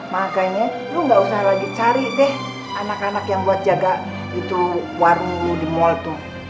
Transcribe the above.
makanya lo nggak usah lagi cari deh anak anak yang buat jaga warung lo di mall tuh